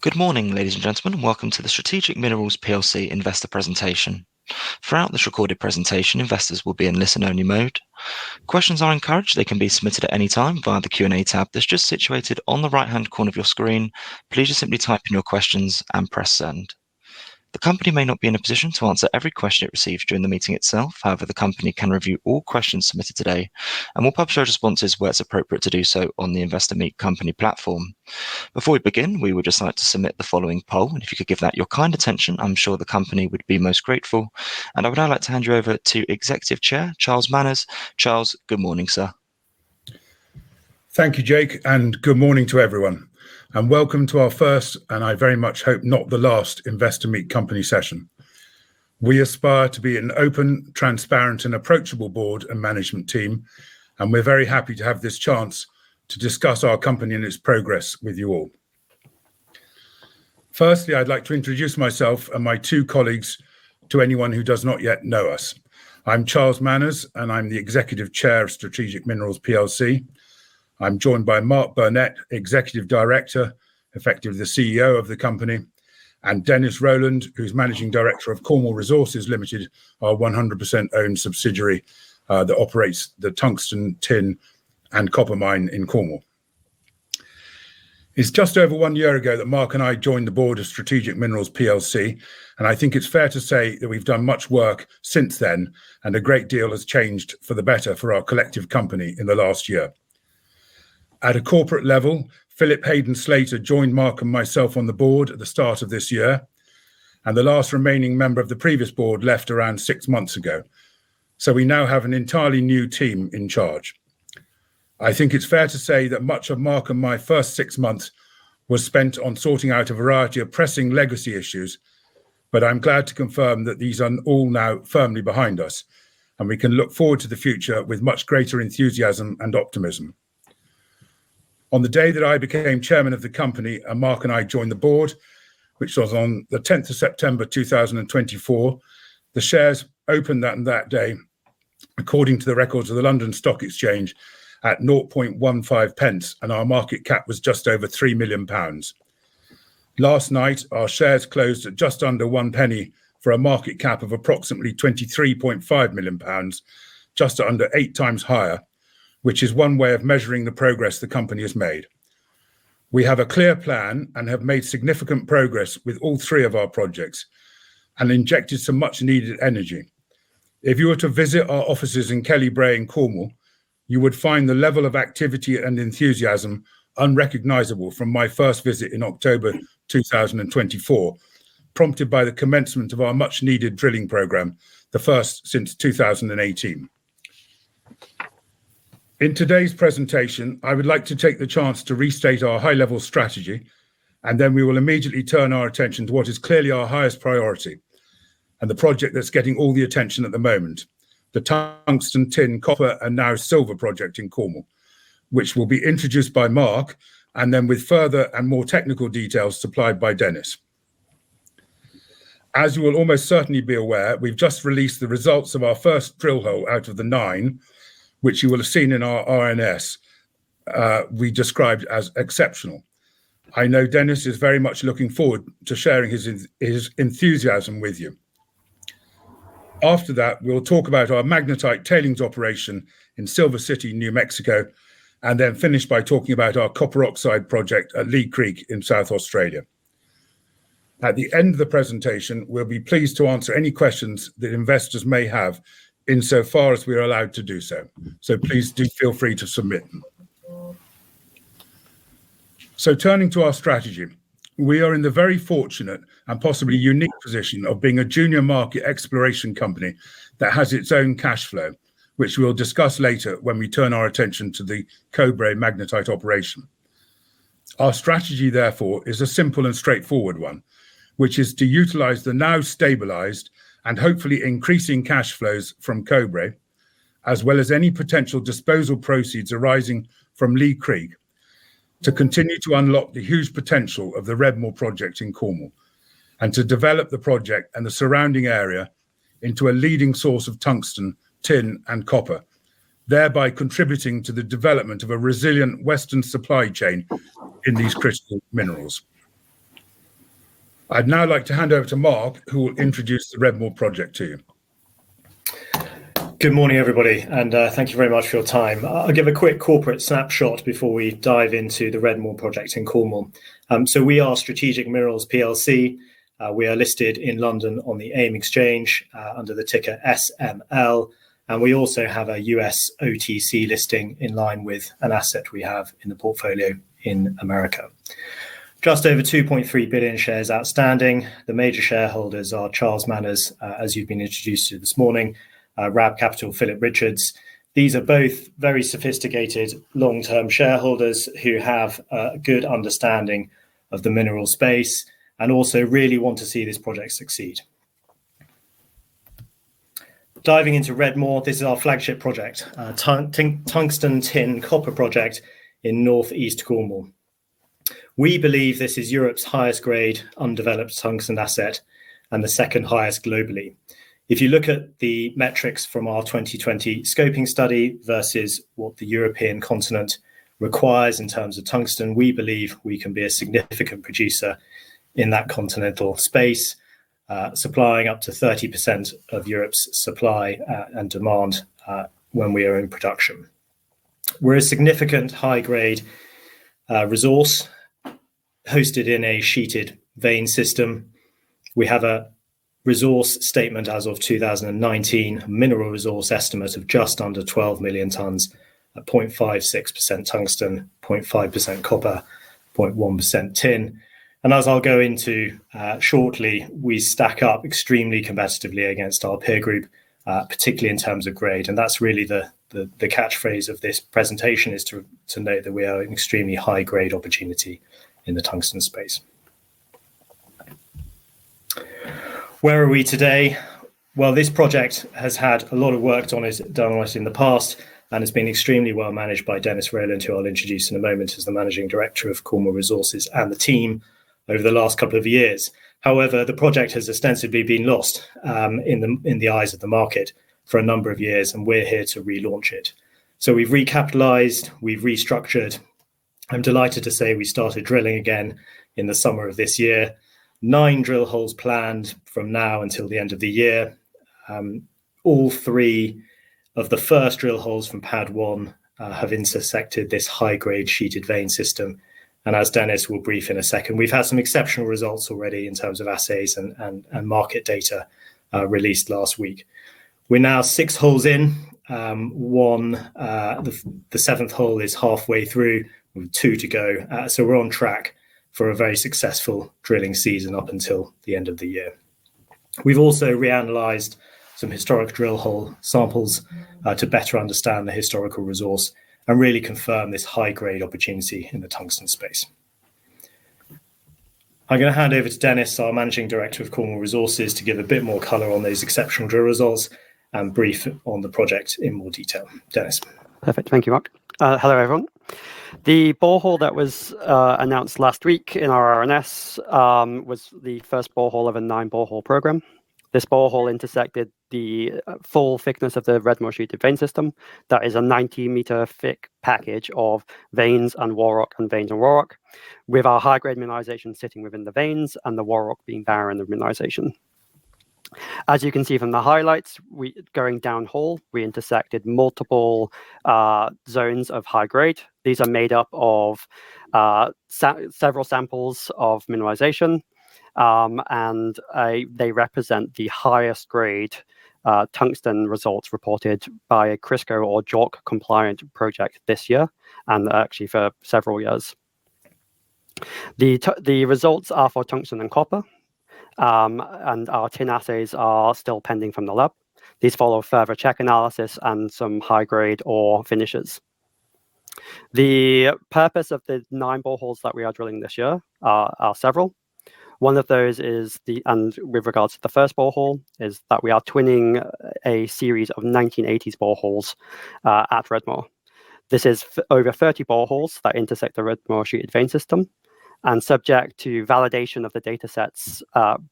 Good morning, ladies and gentlemen. Welcome to the Strategic Minerals Plc investor presentation. Throughout this recorded presentation, investors will be in listen-only mode. Questions are encouraged. They can be submitted at any time via the Q&A tab that's just situated on the right-hand corner of your screen. Please just simply type in your questions and press send. The company may not be in a position to answer every question it receives during the meeting itself. However, the company can review all questions submitted today and will publish our responses where it's appropriate to do so on the Investor Meet Company platform. Before we begin, we would just like to submit the following poll, and if you could give that your kind attention, I'm sure the company would be most grateful. I would now like to hand you over to Executive Chair, Charles Manners. Charles, good morning, sir. Thank you, Jake, and good morning to everyone. Welcome to our first, and I very much hope not the last, Investor Meet Company session. We aspire to be an open, transparent and approachable board and management team, and we're very happy to have this chance to discuss our company and its progress with you all. Firstly, I'd like to introduce myself and my two colleagues to anyone who does not yet know us. I'm Charles Manners, and I'm the Executive Chair of Strategic Minerals Plc. I'm joined by Mark Burnett, Executive Director, effectively the CEO of the company, and Dennis Rowland, who's Managing Director of Cornwall Resources Limited, our 100% owned subsidiary, that operates the tungsten, tin and copper mine in Cornwall. It's just over one year ago that Mark and I joined the board of Strategic Minerals Plc, and I think it's fair to say that we've done much work since then, and a great deal has changed for the better for our collective company in the last year. At a corporate level, Philip Haydn-Slater joined Mark and myself on the board at the start of this year, and the last remaining member of the previous board left around six months ago. We now have an entirely new team in charge. I think it's fair to say that much of Mark and my first six months was spent on sorting out a variety of pressing legacy issues, but I'm glad to confirm that these are all now firmly behind us, and we can look forward to the future with much greater enthusiasm and optimism. On the day that I became chairman of the company and Mark and I joined the board, which was on the 10th of September 2024, the shares opened that day, according to the records of the London Stock Exchange at 0.15 pence, and our market cap was just over 3 million pounds. Last night, our shares closed at just under 1 penny for a market cap of approximately 23.5 million pounds, just under eight times higher, which is one way of measuring the progress the company has made. We have a clear plan and have made significant progress with all three of our projects and injected some much-needed energy. If you were to visit our offices in Kelly Bray in Cornwall, you would find the level of activity and enthusiasm unrecognizable from my first visit in October 2024, prompted by the commencement of our much-needed drilling program, the first since 2018. In today's presentation, I would like to take the chance to restate our high-level strategy, and then we will immediately turn our attention to what is clearly our highest priority and the project that's getting all the attention at the moment, the tungsten, tin, copper and now silver project in Cornwall, which will be introduced by Mark and then with further and more technical details supplied by Dennis. As you will almost certainly be aware, we've just released the results of our first drill hole out of the nine, which you will have seen in our RNS, we described as exceptional. I know Dennis is very much looking forward to sharing his enthusiasm with you. After that, we'll talk about our magnetite tailings operation in Silver City, New Mexico, and then finish by talking about our copper oxide project at Leigh Creek in South Australia. At the end of the presentation, we'll be pleased to answer any questions that investors may have insofar as we are allowed to do so. Please do feel free to submit. Turning to our strategy, we are in the very fortunate and possibly unique position of being a junior market exploration company that has its own cash flow, which we'll discuss later when we turn our attention to the Cobre magnetite operation. Our strategy, therefore, is a simple and straightforward one, which is to utilize the now stabilized and hopefully increasing cash flows from Cobre, as well as any potential disposal proceeds arising from Leigh Creek, to continue to unlock the huge potential of the Redmoor project in Cornwall and to develop the project and the surrounding area into a leading source of tungsten, tin and copper, thereby contributing to the development of a resilient Western supply chain in these critical minerals. I'd now like to hand over to Mark, who will introduce the Redmoor project to you. Good morning, everybody, and, thank you very much for your time. I'll give a quick corporate snapshot before we dive into the Redmoor project in Cornwall. We are Strategic Minerals Plc. We are listed in London on the AIM exchange, under the ticker SML, and we also have a U.S. OTC listing in line with an asset we have in the portfolio in America. Just over 2.3 billion shares outstanding. The major shareholders are Charles Manners, as you've been introduced to this morning, RAB Capital, Philip Richards. These are both very sophisticated long-term shareholders who have a good understanding of the mineral space and also really want to see this project succeed. Diving into Redmoor, this is our flagship project, tungsten, tin, copper project in northeast Cornwall. We believe this is Europe's highest grade undeveloped tungsten asset and the second highest globally. If you look at the metrics from our 2020 scoping study versus what the European continent requires in terms of tungsten, we believe we can be a significant producer in that continental space, supplying up to 30% of Europe's supply and demand when we are in production. We're a significant high-grade resource hosted in a sheeted vein system. We have a resource statement as of 2019, mineral resource estimate of just under 12 million tons at 0.56% tungsten, 0.5% copper, 0.1% tin. As I'll go into shortly, we stack up extremely competitively against our peer group, particularly in terms of grade. That's really the catchphrase of this presentation is to note that we are an extremely high-grade opportunity in the tungsten space. Where are we today? Well, this project has had a lot of work done on it in the past, and has been extremely well managed by Dennis Rowland, who I'll introduce in a moment, who's the managing director of Cornwall Resources and the team over the last couple of years. However, the project has ostensibly been lost in the eyes of the market for a number of years, and we're here to relaunch it. We've recapitalized, we've restructured. I'm delighted to say we started drilling again in the summer of this year. 9 drill holes planned from now until the end of the year. All three of the first drill holes from pad one have intersected this high-grade sheeted vein system. As Dennis will brief in a second, we've had some exceptional results already in terms of assays and market data released last week. We're now six holes in. The seventh hole is halfway through with two to go. We're on track for a very successful drilling season up until the end of the year. We've also reanalyzed some historic drill hole samples to better understand the historical resource and really confirm this high-grade opportunity in the tungsten space. I'm gonna hand over to Dennis, our Managing Director of Cornwall Resources, to give a bit more color on those exceptional drill results and brief on the project in more detail. Dennis. Perfect. Thank you, Mark. Hello, everyone. The borehole that was announced last week in our RNS was the first borehole of a 9-borehole program. This borehole intersected the full thickness of the Redmoor sheeted vein system. That is a 90-meter thick package of veins and wall rock, with our high-grade mineralization sitting within the veins and the wall rock being barren of mineralization. As you can see from the highlights, going down hole, we intersected multiple zones of high grade. These are made up of several samples of mineralization, and they represent the highest grade tungsten results reported by a CRIRSCO or JORC compliant project this year, and actually for several years. The results are for tungsten and copper, and our tin assays are still pending from the lab. These follow further check analysis and some high-grade ore finishes. The purpose of the 9 boreholes that we are drilling this year are several. One of those is with regards to the first borehole is that we are twinning a series of 1980s boreholes at Redmoor. This is over 30 boreholes that intersect the Redmoor sheeted vein system. Subject to validation of the datasets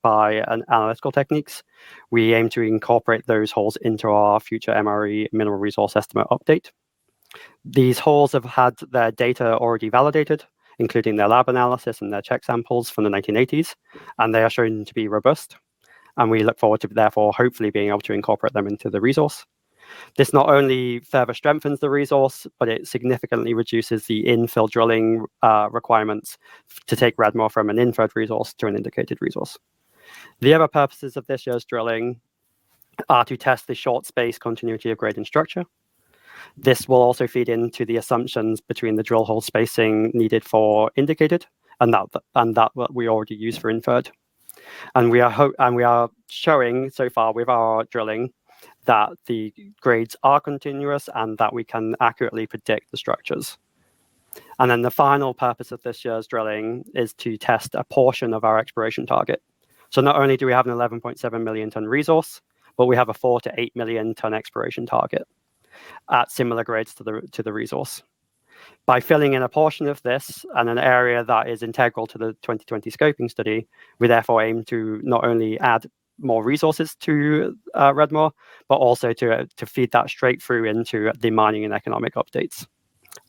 by analytical techniques, we aim to incorporate those holes into our future MRE mineral resource estimate update. These holes have had their data already validated, including their lab analysis and their check samples from the 1980s, and they are shown to be robust, and we look forward to therefore hopefully being able to incorporate them into the resource. This not only further strengthens the resource, but it significantly reduces the infill drilling requirements to take Redmoor from an inferred resource to an indicated resource. The other purposes of this year's drilling are to test the short-scale continuity of grade and structure. This will also feed into the assumptions between the drill hole spacing needed for indicated and what we already use for inferred. We are showing so far with our drilling that the grades are continuous and that we can accurately predict the structures. The final purpose of this year's drilling is to test a portion of our exploration target. Not only do we have an 11.7 million ton resource, but we have a 4-8 million ton exploration target at similar grades to the resource. By filling in a portion of this and an area that is integral to the 2020 scoping study, we therefore aim to not only add more resources to Redmoor, but also to feed that straight through into the mining and economic updates.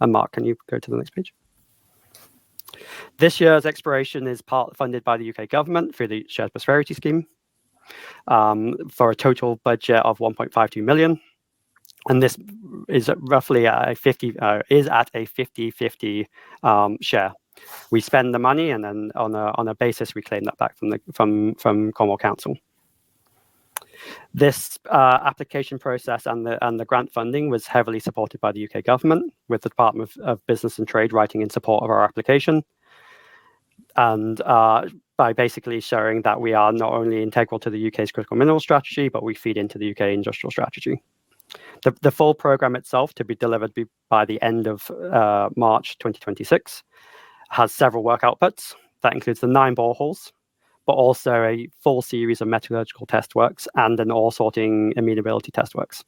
Mark, can you go to the next page? This year's exploration is part funded by the UK government through the Shared Prosperity Fund for a total budget of 1.52 million. This is roughly a 50/50 share. We spend the money, and then on a basis we claim that back from the Cornwall Council. This application process and the grant funding was heavily supported by the U.K. government with the Department for Business and Trade writing in support of our application, and by basically showing that we are not only integral to the U.K.'s critical mineral strategy, but we feed into the UK industrial strategy. The full program itself to be delivered by the end of March 2026, has several work outputs. That includes the nine boreholes, but also a full series of metallurgical test works and an ore sorting amenability test works.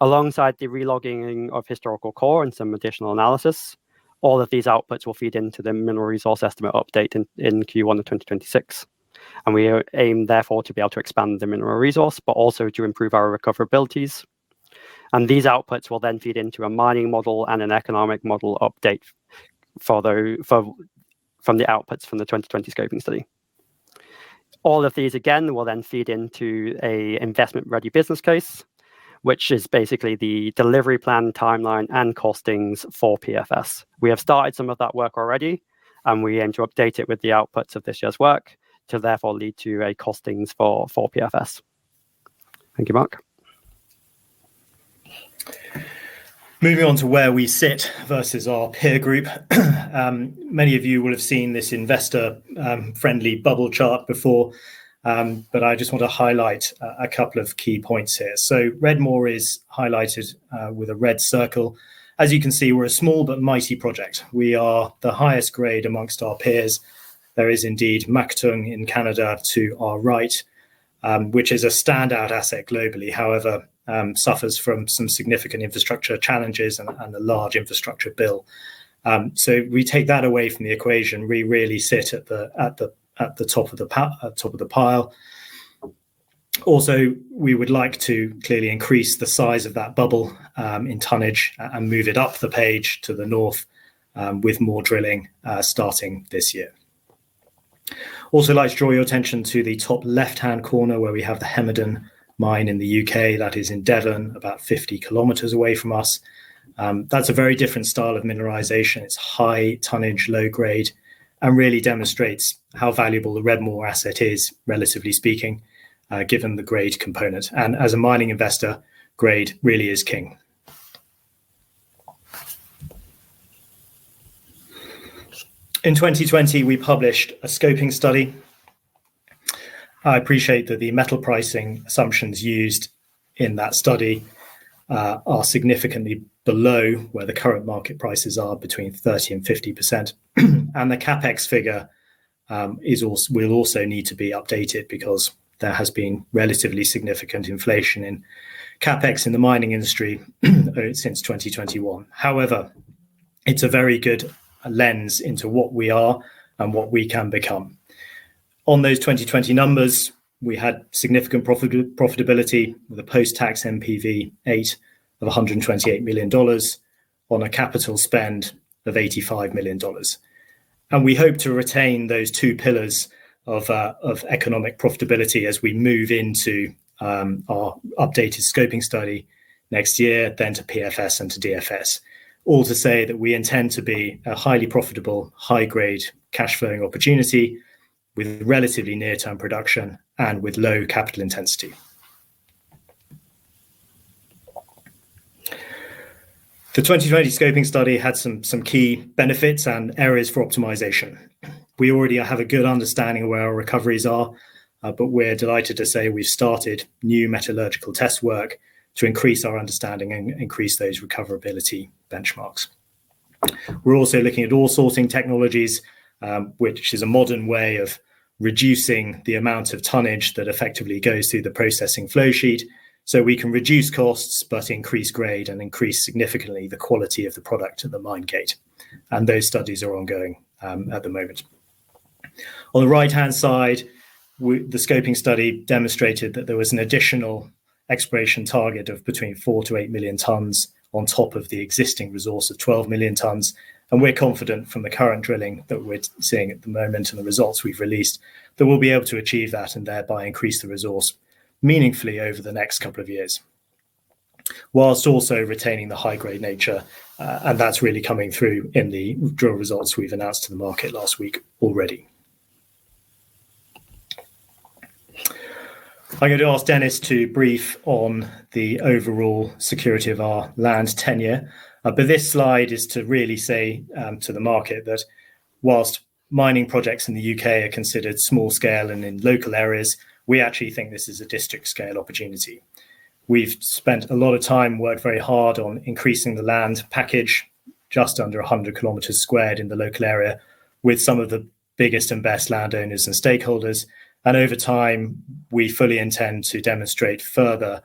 Alongside the re-logging of historical core and some additional analysis, all of these outputs will feed into the mineral resource estimate update in Q1 of 2026. We aim, therefore, to be able to expand the mineral resource, but also to improve our recoverabilities. These outputs will then feed into a mining model and an economic model update from the outputs from the 2020 scoping study. All of these, again, will then feed into an investment-ready business case, which is basically the delivery plan timeline and costings for PFS. We have started some of that work already, and we aim to update it with the outputs of this year's work to therefore lead to costings for PFS. Thank you, Mark. Moving on to where we sit versus our peer group. Many of you will have seen this investor friendly bubble chart before, but I just want to highlight a couple of key points here. Redmoor is highlighted with a red circle. As you can see, we're a small but mighty project. We are the highest grade amongst our peers. There is indeed Mactung in Canada to our right, which is a standout asset globally, however, suffers from some significant infrastructure challenges and a large infrastructure bill. We take that away from the equation. We really sit at the top of the pile. Also, we would like to clearly increase the size of that bubble, in tonnage and move it up the page to the north, with more drilling, starting this year. Also like to draw your attention to the top left-hand corner, where we have the Hemerdon mine in the U.K. That is in Devon, about 50 km away from us. That's a very different style of mineralization. It's high tonnage, low grade, and really demonstrates how valuable the Redmoor asset is, relatively speaking, given the grade component. As a mining investor, grade really is king. In 2020, we published a scoping study. I appreciate that the metal pricing assumptions used in that study are significantly below where the current market prices are between 30% and 50%. The CapEx figure will also need to be updated because there has been relatively significant inflation in CapEx in the mining industry since 2021. However, it's a very good lens into what we are and what we can become. On those 2020 numbers, we had significant profitability with a post-tax NPV8 of $128 million on a capital spend of $85 million. We hope to retain those two pillars of economic profitability as we move into our updated scoping study next year, then to PFS and to DFS. All to say that we intend to be a highly profitable, high grade, cash flowing opportunity with relatively near-term production and with low capital intensity. The 2020 scoping study had some key benefits and areas for optimization. We already have a good understanding of where our recoveries are, but we're delighted to say we've started new metallurgical test work to increase our understanding and increase those recoverability benchmarks. We're also looking at ore sorting technologies, which is a modern way of reducing the amount of tonnage that effectively goes through the processing flow sheet, so we can reduce costs but increase grade and increase significantly the quality of the product at the mine gate. Those studies are ongoing at the moment. On the right-hand side, the scoping study demonstrated that there was an additional exploration target of between 4-8 million tons on top of the existing resource of 12 million tons. We're confident from the current drilling that we're seeing at the moment and the results we've released, that we'll be able to achieve that and thereby increase the resource meaningfully over the next couple of years, while also retaining the high-grade nature. That's really coming through in the drill results we've announced to the market last week already. I'm going to ask Dennis to brief on the overall security of our land tenure. This slide is to really say to the market that while mining projects in the U.K. are considered small scale and in local areas, we actually think this is a district-scale opportunity. We've spent a lot of time, worked very hard on increasing the land package, just under 100 sq km in the local area, with some of the biggest and best landowners and stakeholders. Over time, we fully intend to demonstrate further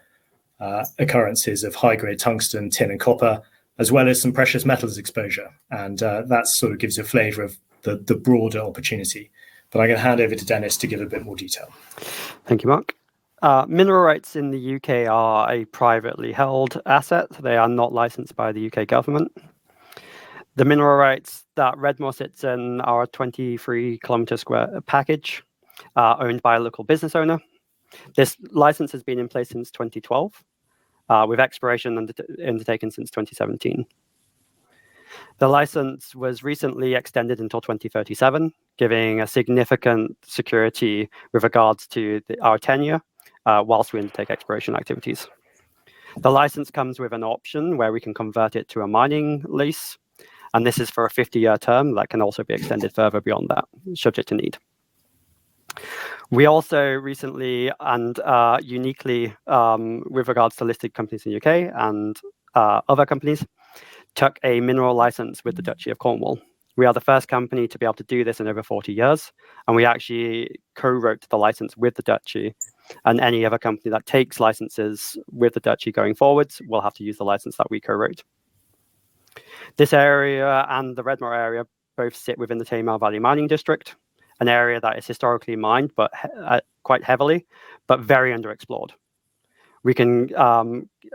occurrences of high-grade tungsten, tin, and copper, as well as some precious metals exposure. That sort of gives a flavor of the broader opportunity. I'm gonna hand over to Dennis to give a bit more detail. Thank you, Mark. Mineral rights in the U.K. are a privately held asset. They are not licensed by the U.K. government. The mineral rights that Redmoor sits in are a 23-kilometer square package, owned by a local business owner. This license has been in place since 2012, with exploration undertaken since 2017. The license was recently extended until 2037, giving a significant security with regards to our tenure, whilst we undertake exploration activities. The license comes with an option where we can convert it to a mining lease, and this is for a 50-year term that can also be extended further beyond that, subject to need. We also recently, and, uniquely, with regards to listed companies in the U.K. and, other companies, took a mineral license with the Duchy of Cornwall. We are the first company to be able to do this in over 40 years, and we actually co-wrote the license with the Duchy, and any other company that takes licenses with the Duchy going forwards will have to use the license that we co-wrote. This area and the Redmoor area both sit within the Tamar Valley mining district, an area that is historically mined but quite heavily, but very under-explored. We can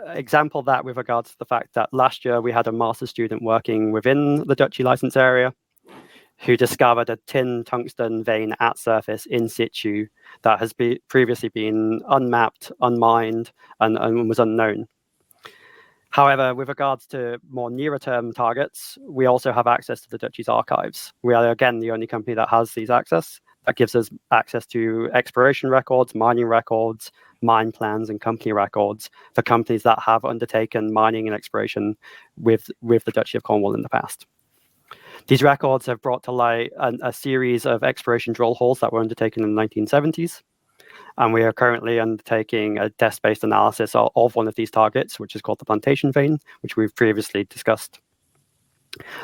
example that with regards to the fact that last year we had a master's student working within the Duchy license area who discovered a tin tungsten vein at surface in situ that has previously been unmapped, unmined, and was unknown. However, with regards to more nearer term targets, we also have access to the Duchy's archives. We are, again, the only company that has these access. That gives us access to exploration records, mining records, mine plans, and company records for companies that have undertaken mining and exploration with the Duchy of Cornwall in the past. These records have brought to light a series of exploration drill holes that were undertaken in the 1970s, and we are currently undertaking a test-based analysis of one of these targets, which is called the Plantation Vein, which we've previously discussed.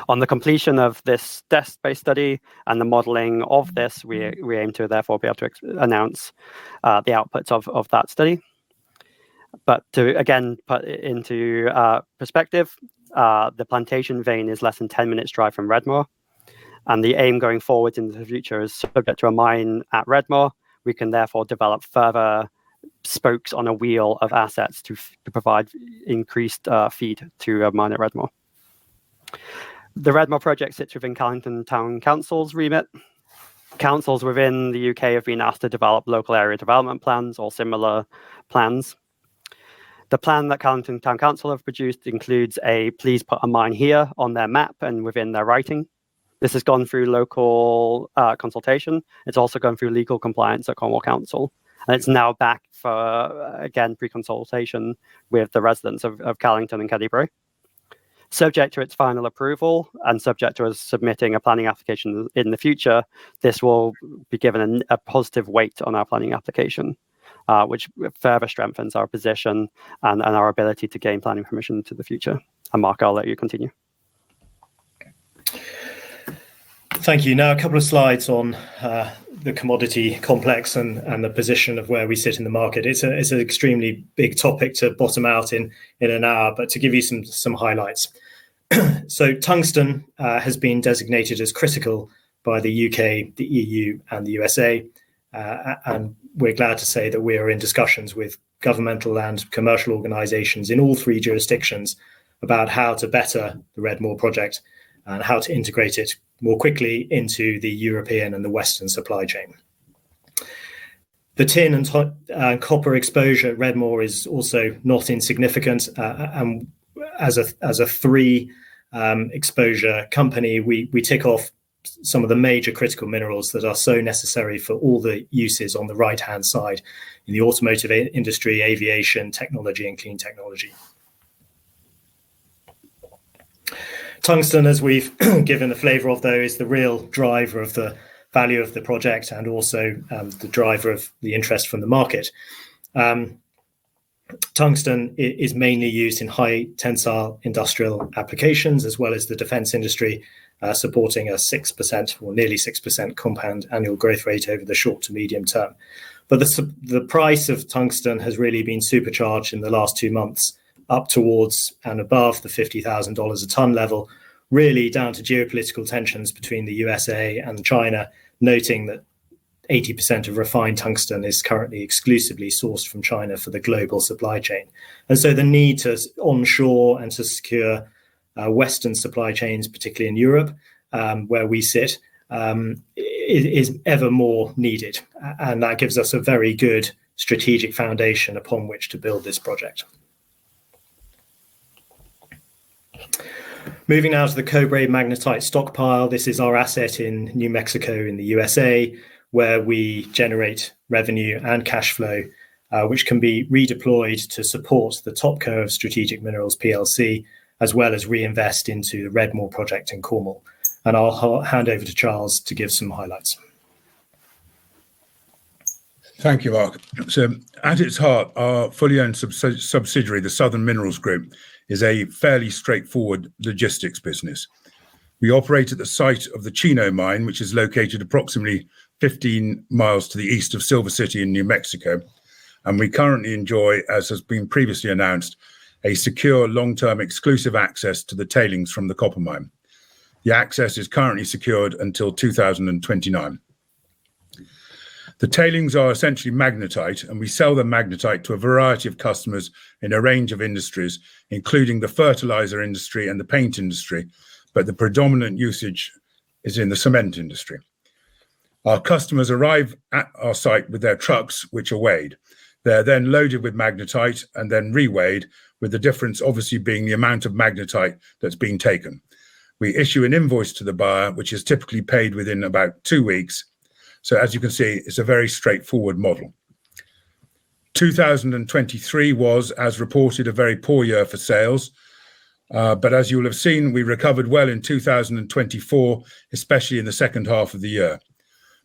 On the completion of this test-based study and the modeling of this, we aim to therefore be able to announce the outputs of that study. To again put into perspective, the Plantation Vein is less than 10 minutes drive from Redmoor, and the aim going forward into the future is subject to a mine at Redmoor. We can therefore develop further spokes on a wheel of assets to provide increased feed to our mine at Redmoor. The Redmoor project sits within Callington Town Council's remit. Councils within the U.K. have been asked to develop local area development plans or similar plans. The plan that Callington Town Council have produced includes a please put a mine here on their map and within their writing. This has gone through local consultation. It's also gone through legal compliance at Cornwall Council, and it's now back for again pre-consultation with the residents of Callington and Calstock. Subject to its final approval and subject to us submitting a planning application in the future, this will be given a positive weight on our planning application, which further strengthens our position and our ability to gain planning permission in the future. Mark, I'll let you continue. Thank you. Now, a couple of slides on the commodity complex and the position of where we sit in the market. It's an extremely big topic to bottom out in an hour, but to give you some highlights. Tungsten has been designated as critical by the U.K., the EU, and the U.S.A., and we're glad to say that we are in discussions with governmental and commercial organizations in all three jurisdictions about how to better the Redmoor project and how to integrate it more quickly into the European and the Western supply chain. The tin and copper exposure at Redmoor is also not insignificant. As a three-exposure company, we tick off some of the major critical minerals that are so necessary for all the uses on the right-hand side in the automotive industry, aviation, technology, and clean technology. Tungsten, as we've given the flavor of though, is the real driver of the value of the project and also the driver of the interest from the market. Tungsten is mainly used in high tensile industrial applications, as well as the defense industry, supporting a 6% or nearly 6% compound annual growth rate over the short to medium term. The price of tungsten has really been supercharged in the last two months up towards and above the $50,000 a ton level, really down to geopolitical tensions between the USA and China, noting that 80% of refined tungsten is currently exclusively sourced from China for the global supply chain. The need to onshore and to secure Western supply chains, particularly in Europe, where we sit, is ever more needed. That gives us a very good strategic foundation upon which to build this project. Moving now to the Cobre magnetite stockpile. This is our asset in New Mexico in the USA, where we generate revenue and cash flow, which can be redeployed to support the topco of Strategic Minerals Plc, as well as reinvest into the Redmoor project in Cornwall. I'll hand over to Charles to give some highlights. Thank you, Mark. At its heart, our fully owned subsidiary, the Southern Minerals Group, is a fairly straightforward logistics business. We operate at the site of the Chino mine, which is located approximately 15 miles to the east of Silver City in New Mexico, and we currently enjoy, as has been previously announced, a secure long-term exclusive access to the tailings from the copper mine. The access is currently secured until 2029. The tailings are essentially magnetite, and we sell the magnetite to a variety of customers in a range of industries, including the fertilizer industry and the paint industry, but the predominant usage is in the cement industry. Our customers arrive at our site with their trucks, which are weighed. They're then loaded with magnetite and then re-weighed, with the difference obviously being the amount of magnetite that's been taken. We issue an invoice to the buyer, which is typically paid within about two weeks, so as you can see, it's a very straightforward model. 2023 was, as reported, a very poor year for sales, but as you will have seen, we recovered well in 2024, especially in the second half of the year.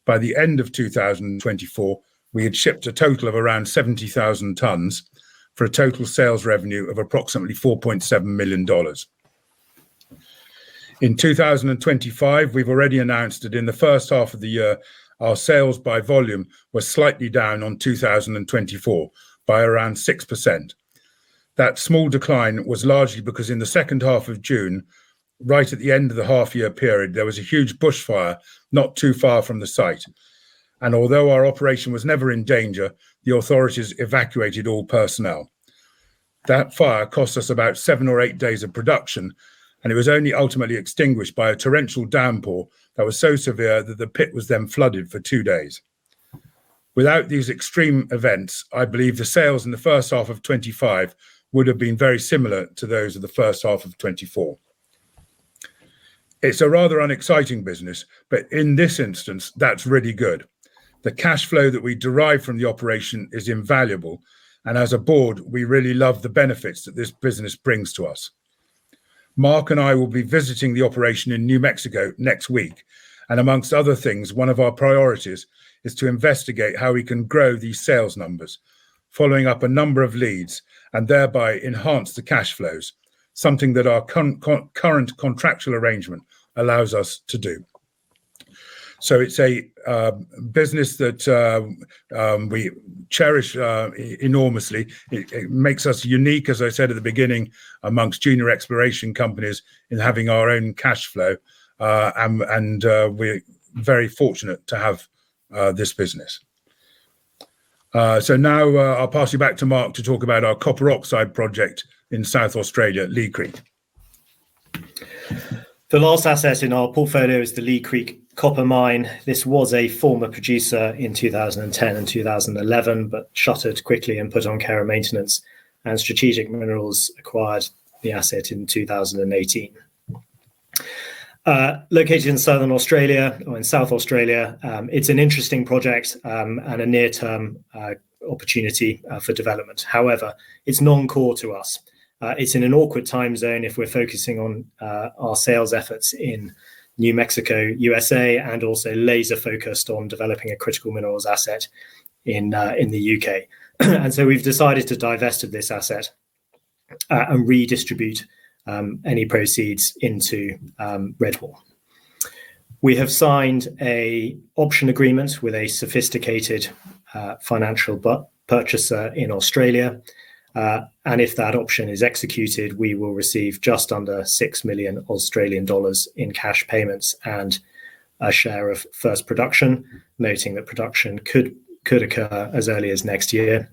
By the end of 2024, we had shipped a total of around 70,000 tons for a total sales revenue of approximately $4.7 million. In 2025, we've already announced that in the first half of the year, our sales by volume were slightly down on 2024 by around 6%. That small decline was largely because in the second half of June, right at the end of the half-year period, there was a huge bushfire not too far from the site. Although our operation was never in danger, the authorities evacuated all personnel. That fire cost us about 7 or 8 days of production, and it was only ultimately extinguished by a torrential downpour that was so severe that the pit was then flooded for 2 days. Without these extreme events, I believe the sales in the first half of 2025 would have been very similar to those of the first half of 2024. It's a rather unexciting business, but in this instance, that's really good. The cash flow that we derive from the operation is invaluable, and as a board, we really love the benefits that this business brings to us. Mark and I will be visiting the operation in New Mexico next week. And amongst other things, one of our priorities is to investigate how we can grow these sales numbers, following up a number of leads and thereby enhance the cash flows, something that our concurrent contractual arrangement allows us to do. It's a business that we cherish enormously. It makes us unique, as I said at the beginning, amongst junior exploration companies in having our own cash flow, and we're very fortunate to have this business. Now I'll pass you back to Mark to talk about our copper oxide project in South Australia, Lee Creek. The last asset in our portfolio is the Lee Creek Copper Mine. This was a former producer in 2010 and 2011, but shuttered quickly and put on care and maintenance, and Strategic Minerals acquired the asset in 2018. Located in South Australia, it's an interesting project and a near-term opportunity for development. However, it's non-core to us. It's in an awkward time zone if we're focusing on our sales efforts in New Mexico, USA, and also laser-focused on developing a critical minerals asset in the U.K. We've decided to divest of this asset and redistribute any proceeds into Redmoor. We have signed an option agreement with a sophisticated financial purchaser in Australia. If that option is executed, we will receive just under 6 million Australian dollars in cash payments and a share of first production, noting that production could occur as early as next year.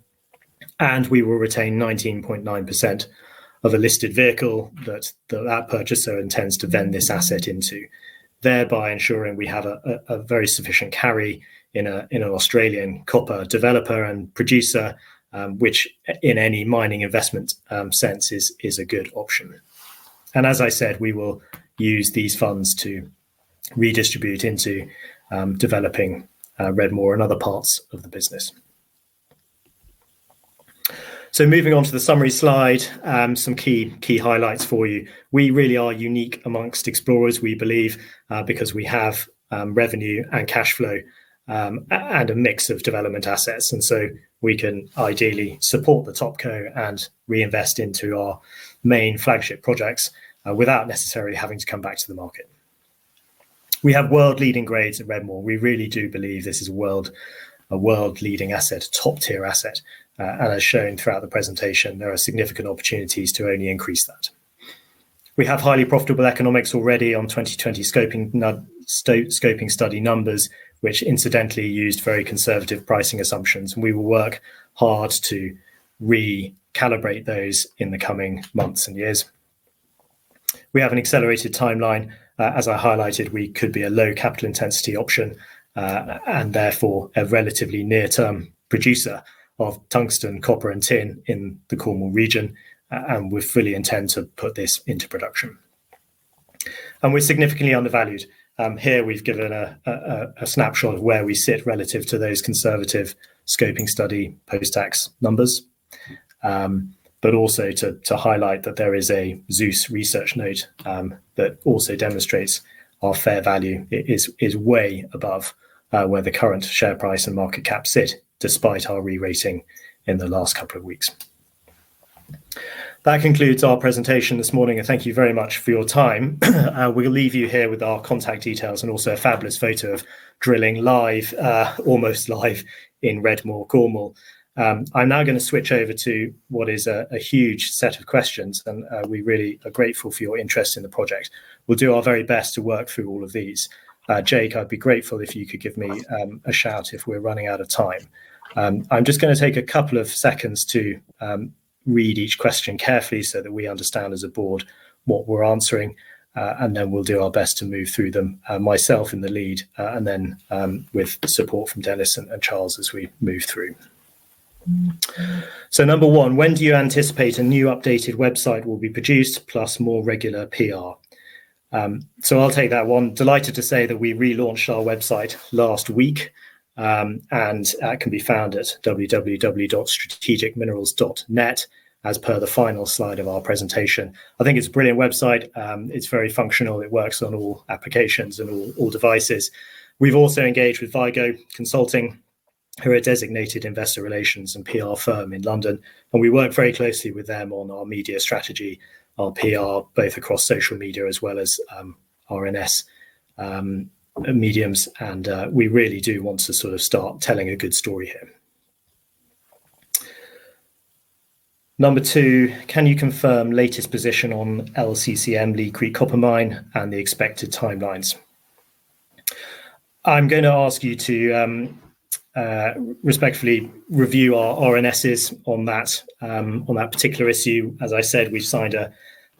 We will retain 19.9% of a listed vehicle that purchaser intends to vend this asset into, thereby ensuring we have a very sufficient carry in an Australian copper developer and producer, which in any mining investment sense is a good option. As I said, we will use these funds to redistribute into developing Redmoor and other parts of the business. Moving on to the summary slide, some key highlights for you. We really are unique amongst explorers, we believe, because we have, revenue and cash flow, and a mix of development assets, and so we can ideally support the top co and reinvest into our main flagship projects without necessarily having to come back to the market. We have world-leading grades at Redmoor. We really do believe this is a world leading asset, top-tier asset. And as shown throughout the presentation, there are significant opportunities to only increase that. We have highly profitable economics already on 2020 scoping study numbers, which incidentally used very conservative pricing assumptions. We will work hard to recalibrate those in the coming months and years. We have an accelerated timeline. As I highlighted, we could be a low capital intensity option, and therefore a relatively near-term producer of tungsten, copper, and tin in the Cornwall region, and we fully intend to put this into production. We're significantly undervalued. Here we've given a snapshot of where we sit relative to those conservative scoping study post-tax numbers, but also to highlight that there is a Zeus research note that also demonstrates our fair value is way above where the current share price and market cap sit despite our re-rating in the last couple of weeks. That concludes our presentation this morning, and thank you very much for your time. We'll leave you here with our contact details and also a fabulous photo of drilling live, almost live in Redmoor, Cornwall. I'm now gonna switch over to what is a huge set of questions, and we really are grateful for your interest in the project. We'll do our very best to work through all of these. Jake, I'd be grateful if you could give me a shout if we're running out of time. I'm just gonna take a couple of seconds to read each question carefully so that we understand as a board what we're answering, and then we'll do our best to move through them, myself in the lead, and then with support from Dennis and Charles as we move through. Number 1, when do you anticipate a new updated website will be produced plus more regular PR? I'll take that one. Delighted to say that we relaunched our website last week. That can be found at www.strategicminerals.net as per the final slide of our presentation. I think it's a brilliant website. It's very functional. It works on all applications and all devices. We've also engaged with Vigo Consulting, who are a designated investor relations and PR firm in London, and we work very closely with them on our media strategy, our PR, both across social media as well as RNS mediums, and we really do want to sort of start telling a good story here. Number two, can you confirm latest position on LCCM, Lee Creek Copper Mine, and the expected timelines? I'm gonna ask you to respectfully review our RNSs on that particular issue. As I said, we've signed a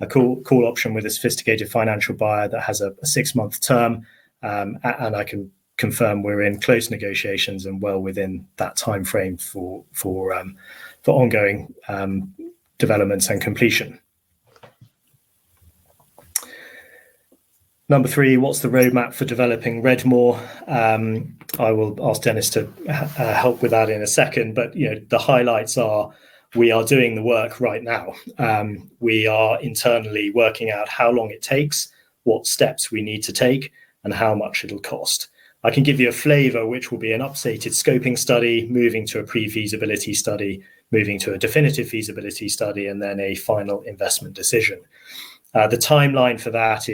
call option with a sophisticated financial buyer that has a six-month term, and I can confirm we're in close negotiations and well within that timeframe for ongoing developments and completion. Number three, what's the roadmap for developing Redmoor? I will ask Dennis to help with that in a second, but you know, the highlights are we are doing the work right now. We are internally working out how long it takes, what steps we need to take, and how much it'll cost. I can give you a flavor, which will be an updated scoping study, moving to a pre-feasibility study, moving to a definitive feasibility study, and then a final investment decision. The timeline for that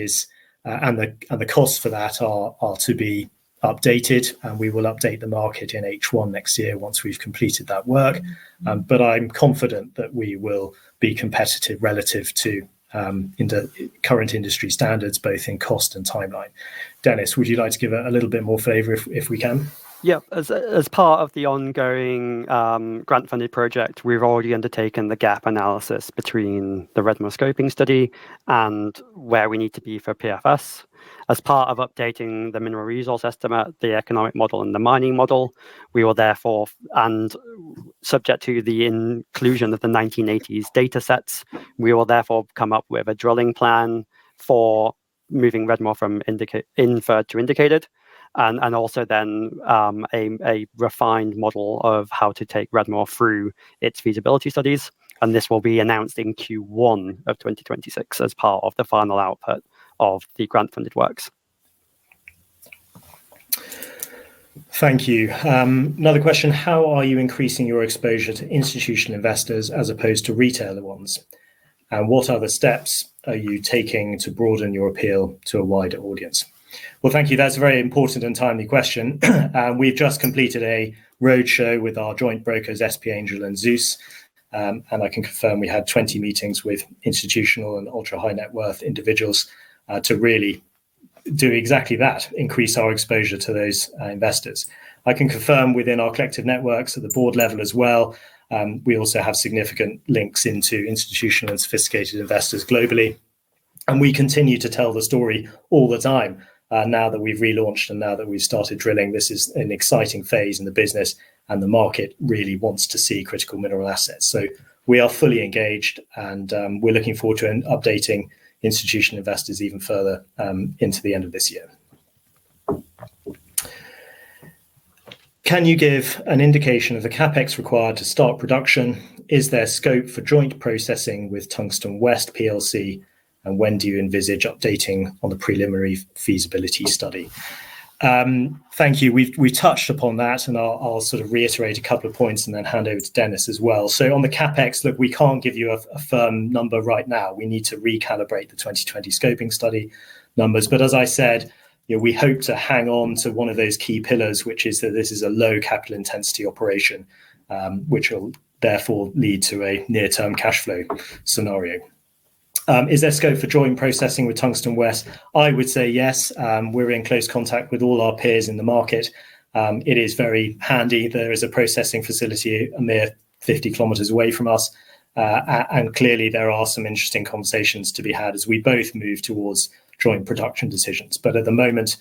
and the costs for that are to be updated, and we will update the market in H1 next year once we've completed that work. I'm confident that we will be competitive relative to in the current industry standards, both in cost and timeline. Dennis, would you like to give a little bit more flavor if we can? Yeah. As part of the ongoing grant-funded project, we've already undertaken the gap analysis between the Redmoor scoping study and where we need to be for PFS. As part of updating the mineral resource estimate, the economic model, and the mining model, we will therefore, and subject to the inclusion of the 1980s data sets, we will therefore come up with a drilling plan for moving Redmoor from inferred to indicated and also then a refined model of how to take Redmoor through its feasibility studies, and this will be announced in Q1 of 2026 as part of the final output of the grant-funded works. Thank you. Another question, how are you increasing your exposure to institutional investors as opposed to retail ones? What other steps are you taking to broaden your appeal to a wider audience? Well, thank you. That's a very important and timely question. We've just completed a roadshow with our joint brokers, SP Angel and Zeus, and I can confirm we had 20 meetings with institutional and ultra-high-net-worth individuals, to really do exactly that, increase our exposure to those, investors. I can confirm within our collective networks at the board level as well, we also have significant links into institutional and sophisticated investors globally, and we continue to tell the story all the time. Now that we've relaunched and now that we've started drilling, this is an exciting phase in the business, and the market really wants to see critical mineral assets. We are fully engaged, and we're looking forward to updating institutional investors even further into the end of this year. Can you give an indication of the CapEx required to start production? Is there scope for joint processing with Tungsten West PLC? And when do you envisage updating on the preliminary feasibility study? Thank you. We've touched upon that, and I'll sort of reiterate a couple of points and then hand over to Dennis as well. On the CapEx, look, we can't give you a firm number right now. We need to recalibrate the 2020 scoping study numbers. As I said, you know, we hope to hang on to one of those key pillars, which is that this is a low capital intensity operation, which will therefore lead to a near-term cash flow scenario. Is there scope for joint processing with Tungsten West? I would say yes. We're in close contact with all our peers in the market. It is very handy. There is a processing facility a mere 50 km away from us, and clearly there are some interesting conversations to be had as we both move towards joint production decisions. At the moment,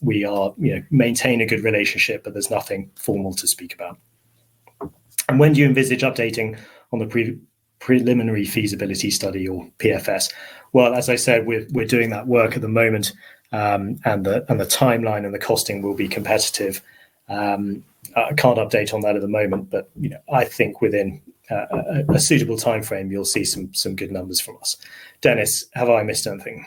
we are, you know, maintain a good relationship, but there's nothing formal to speak about. When do you envisage updating on the preliminary feasibility study or PFS? Well, as I said, we're doing that work at the moment, and the timeline and the costing will be competitive. I can't update on that at the moment, but, you know, I think within a suitable timeframe, you'll see some good numbers from us. Dennis, have I missed anything?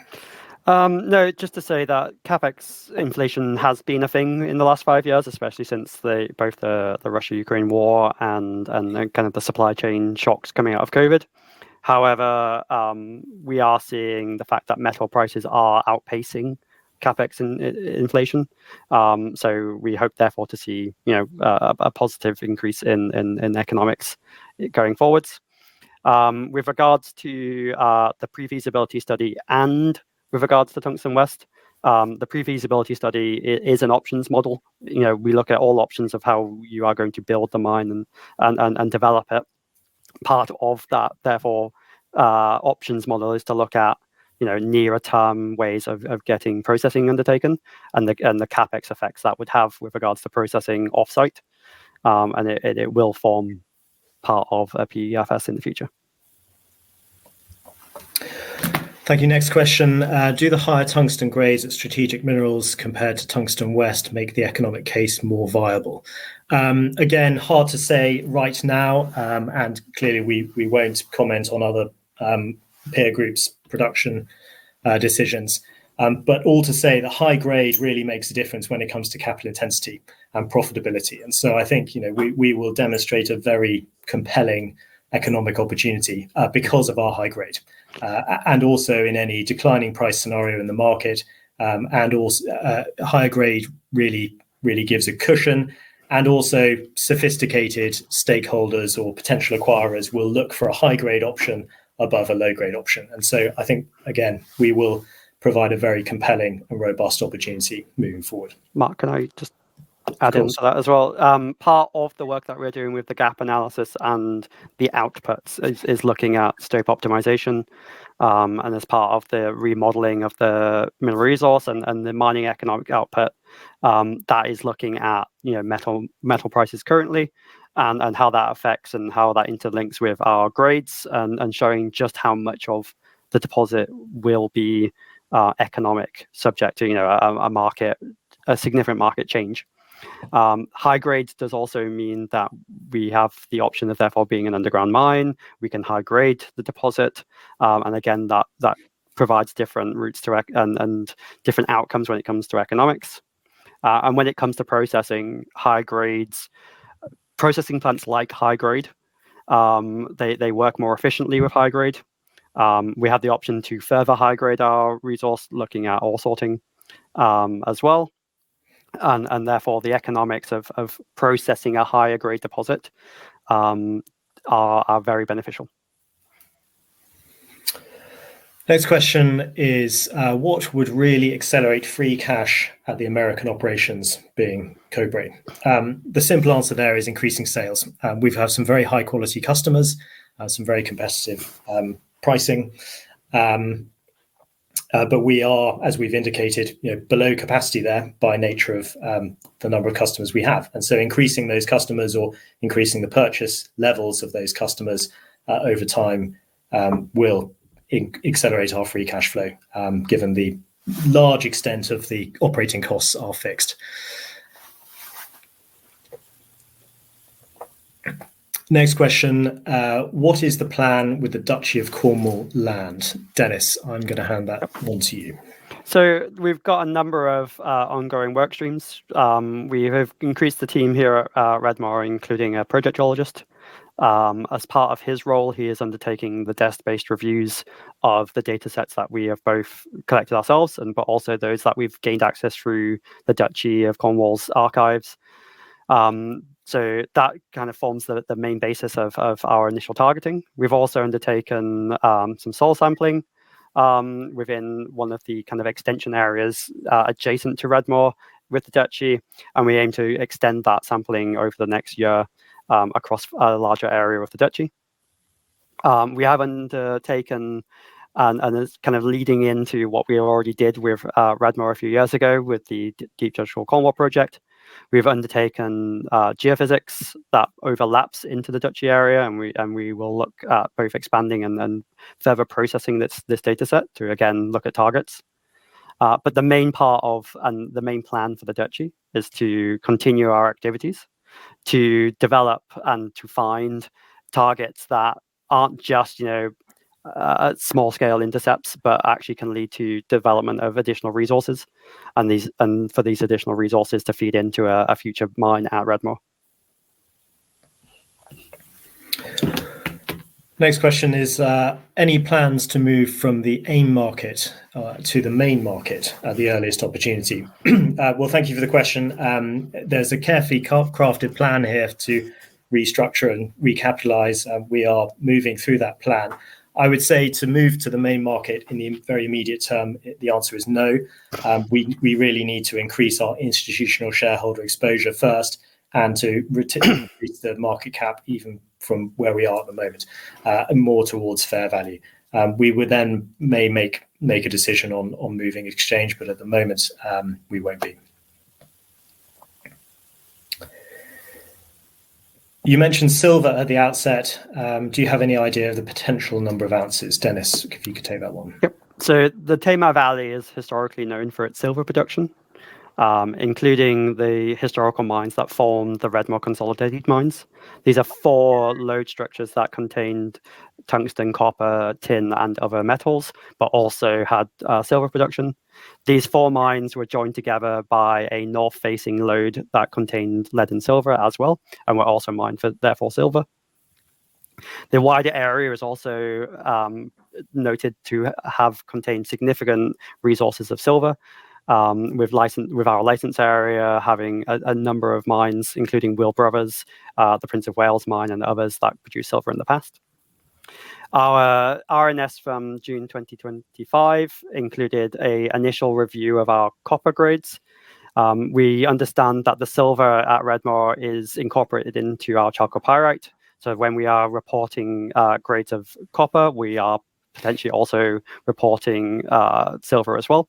No. Just to say that CapEx inflation has been a thing in the last five years, especially since both the Russia-Ukraine war and the kind of supply chain shocks coming out of COVID. However, we are seeing the fact that metal prices are outpacing CapEx in inflation, so we hope therefore to see, you know, a positive increase in economics going forwards. With regards to the pre-feasibility study and with regards to Tungsten West, the pre-feasibility study is an options model. You know, we look at all options of how you are going to build the mine and develop it. Part of that, therefore, options model is to look at nearer-term ways of getting processing undertaken and the CapEx effects that would have with regards to processing off-site. It will form part of a PFS in the future. Thank you. Next question. Do the higher tungsten grades at Strategic Minerals compared to Tungsten West make the economic case more viable? Again, hard to say right now, and clearly we won't comment on other peer groups' production decisions. All to say the high grade really makes a difference when it comes to capital intensity and profitability. I think, you know, we will demonstrate a very compelling economic opportunity because of our high grade. Also in any declining price scenario in the market, higher grade really gives a cushion, and also sophisticated stakeholders or potential acquirers will look for a high-grade option above a low-grade option. I think, again, we will provide a very compelling and robust opportunity moving forward. Mark, can I just add into that as well? Of course. Part of the work that we're doing with the gap analysis and the outputs is looking at stope optimization, and as part of the remodeling of the mineral resource and the mining economic output, that is looking at, you know, metal prices currently and how that affects and how that interlinks with our grades and showing just how much of the deposit will be economic subject to, you know, a significant market change. High grades does also mean that we have the option of therefore being an underground mine. We can high-grade the deposit, and again, that provides different routes to and different outcomes when it comes to economics. When it comes to processing high grades, processing plants like high grade, they work more efficiently with high grade. We have the option to further high-grade our resource looking at ore sorting, as well, and therefore the economics of processing a higher-grade deposit are very beneficial. Next question is, what would really accelerate free cash at the American operations being Cobre? The simple answer there is increasing sales. We've had some very high-quality customers, some very competitive pricing. But we are, as we've indicated, you know, below capacity there by nature of the number of customers we have. Increasing those customers or increasing the purchase levels of those customers over time will accelerate our free cash flow, given the large extent of the operating costs are fixed. Next question. What is the plan with the Duchy of Cornwall land? Dennis, I'm gonna hand that one to you. We've got a number of ongoing work streams. We have increased the team here at Redmoor, including a project geologist. As part of his role, he is undertaking the desk-based reviews of the datasets that we have both collected ourselves and those that we've gained access through the Duchy of Cornwall's archives. That kind of forms the main basis of our initial targeting. We've also undertaken some soil sampling within one of the kind of extension areas adjacent to Redmoor with the Duchy, and we aim to extend that sampling over the next year across a larger area of the Duchy. We have undertaken and it's kind of leading into what we already did with Redmoor a few years ago with the Deep Geothermal Cornwall project. We've undertaken geophysics that overlaps into the Duchy area, and we will look at both expanding and then further processing this dataset to again look at targets. But the main part of and the main plan for the Duchy is to continue our activities to develop and to find targets that aren't just, you know, small scale intercepts, but actually can lead to development of additional resources and for these additional resources to feed into a future mine at Redmoor. Next question is any plans to move from the AIM market to the main market at the earliest opportunity? Well, thank you for the question. There's a carefully crafted plan here to restructure and recapitalize, and we are moving through that plan. I would say to move to the main market in the very immediate term, the answer is no. We really need to increase our institutional shareholder exposure first and to increase the market cap even from where we are at the moment, and more towards fair value. We would then make a decision on moving exchange, but at the moment, we won't be. You mentioned silver at the outset. Do you have any idea of the potential number of ounces? Dennis, if you could take that one. The Tamar Valley is historically known for its silver production, including the historical mines that form the Redmoor Consolidated Mines. These are four lode structures that contained tungsten, copper, tin, and other metals, but also had silver production. These four mines were joined together by a north-facing lode that contained lead and silver as well and were also mined for their silver. The wider area is also noted to have contained significant resources of silver, with our license area having a number of mines, including Wheal Brothers, the Prince of Wales mine, and others that produced silver in the past. Our RNS from June 2025 included an initial review of our copper grades. We understand that the silver at Redmoor is incorporated into our chalcopyrite. When we are reporting grades of copper, we are potentially also reporting silver as well.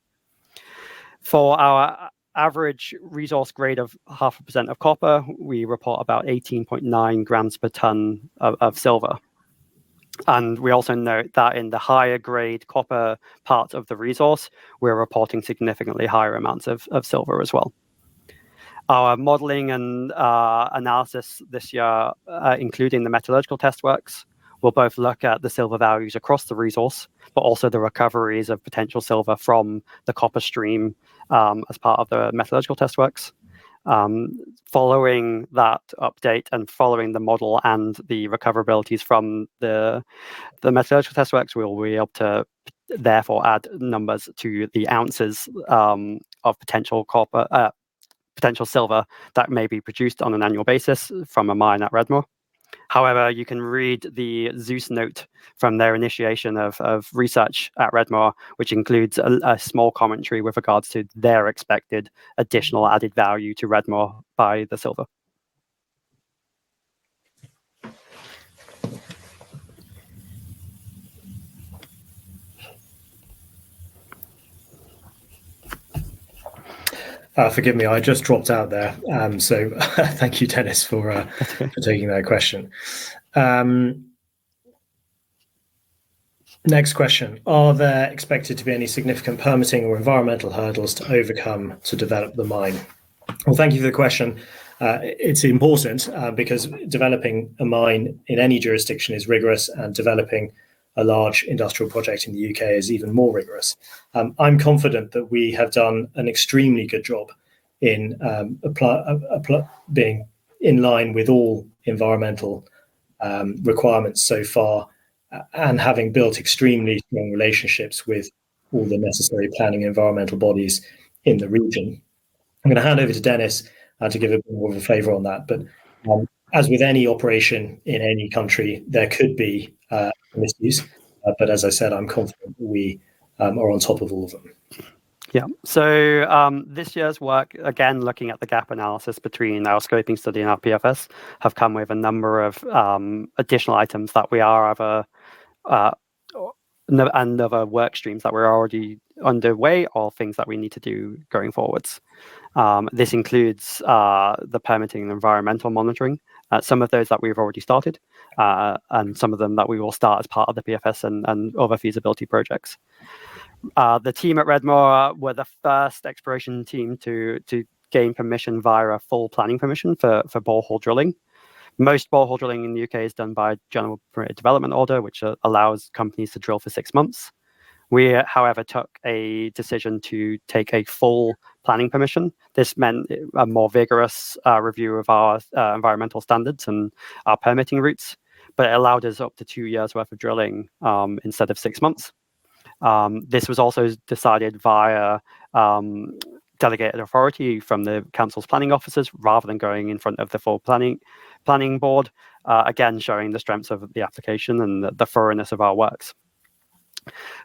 For our average resource grade of 0.5% copper, we report about 18.9 grams per ton of silver. We also note that in the higher grade copper part of the resource, we're reporting significantly higher amounts of silver as well. Our modeling and analysis this year, including the metallurgical test works, will both look at the silver values across the resource, but also the recoveries of potential silver from the copper stream, as part of the metallurgical test works. Following that update and following the model and the recoverabilities from the metallurgical test works, we'll be able to therefore add numbers to the ounces of potential silver that may be produced on an annual basis from a mine at Redmoor. However, you can read the Zeus note from their initiation of research at Redmoor, which includes a small commentary with regards to their expected additional added value to Redmoor by the silver. Forgive me, I just dropped out there. So thank you, Dennis, for taking that question. Next question. Are there expected to be any significant permitting or environmental hurdles to overcome to develop the mine? Well, thank you for the question. It's important because developing a mine in any jurisdiction is rigorous, and developing a large industrial project in the U.K. is even more rigorous. I'm confident that we have done an extremely good job in being in line with all environmental requirements so far and having built extremely strong relationships with all the necessary planning environmental bodies in the region. I'm gonna hand over to Dennis to give a bit more of a flavor on that. As with any operation in any country, there could be misuse. As I said, I'm confident we are on top of all of them. This year's work, again, looking at the gap analysis between our scoping study and our PFS, have come with a number of additional items and a number of work streams that were already underway or things that we need to do going forwards. This includes the permitting and environmental monitoring. Some of those that we've already started, and some of them that we will start as part of the PFS and other feasibility projects. The team at Redmoor were the first exploration team to gain permission via a full planning permission for borehole drilling. Most borehole drilling in the U.K. is done by General Permitted Development Order, which allows companies to drill for six months. We, however, took a decision to take a full planning permission. This meant a more vigorous review of our environmental standards and our permitting routes, but it allowed us up to two years’ worth of drilling instead of six months. This was also decided via delegated authority from the council's planning officers rather than going in front of the full planning board, again, showing the strengths of the application and the thoroughness of our works.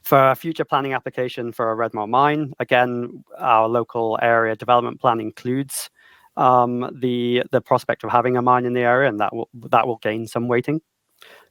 For our future planning application for our Redmoor mine, again, our local area development plan includes the prospect of having a mine in the area, and that will gain some weighting.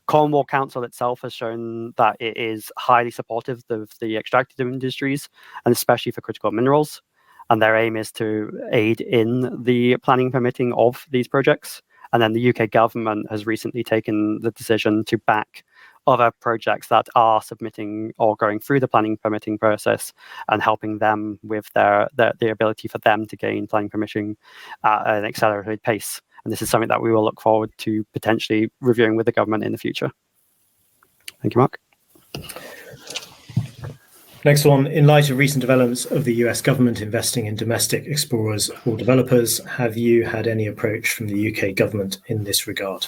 Cornwall Council itself has shown that it is highly supportive of the extractive industries, and especially for critical minerals, and their aim is to aid in the planning permitting of these projects. The U.K. government has recently taken the decision to back other projects that are submitting or going through the planning permitting process and helping them with the ability for them to gain planning permission at an accelerated pace. This is something that we will look forward to potentially reviewing with the government in the future. Thank you, Mark. Next one. In light of recent developments of the U.S. government investing in domestic explorers or developers, have you had any approach from the U.K. government in this regard?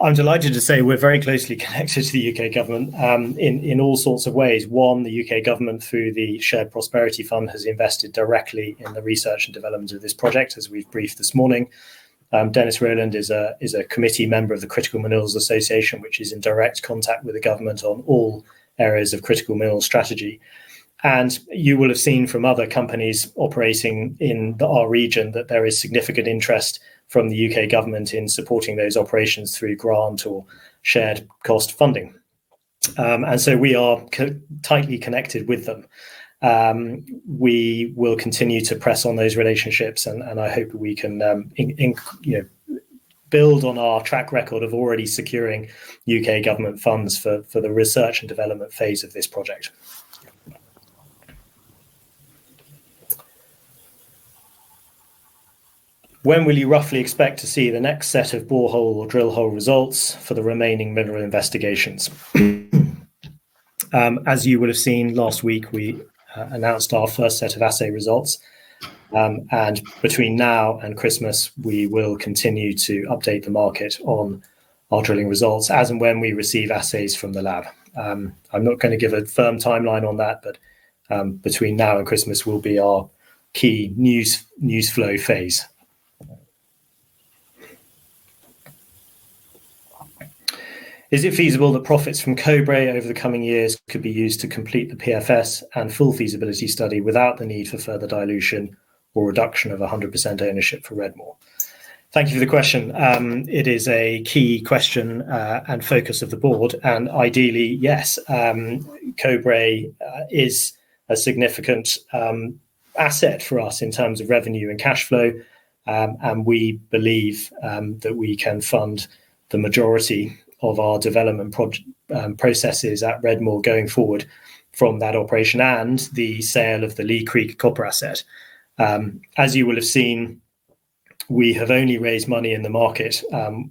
I'm delighted to say we're very closely connected to the U.K. government, in all sorts of ways. One, the U.K. government, through the UK Shared Prosperity Fund, has invested directly in the research and development of this project, as we've briefed this morning. Dennis Rowland is a committee member of the Critical Minerals Association, which is in direct contact with the government on all areas of critical minerals strategy. You will have seen from other companies operating in our region that there is significant interest from the U.K. government in supporting those operations through grant or shared cost funding. We are closely connected with them. We will continue to press on those relationships and I hope we can, you know, build on our track record of already securing UK government funds for the research and development phase of this project. When will you roughly expect to see the next set of borehole or drill hole results for the remaining mineral investigations? As you would have seen last week, we announced our first set of assay results. Between now and Christmas, we will continue to update the market on our drilling results as and when we receive assays from the lab. I'm not gonna give a firm timeline on that, but between now and Christmas will be our key news flow phase. Is it feasible that profits from Cobre over the coming years could be used to complete the PFS and full feasibility study without the need for further dilution or reduction of 100% ownership for Redmoor? Thank you for the question. It is a key question and focus of the board. Ideally, yes, Cobre is a significant asset for us in terms of revenue and cash flow. We believe that we can fund the majority of our development processes at Redmoor going forward from that operation and the sale of the Lee Creek copper asset. As you will have seen, we have only raised money in the market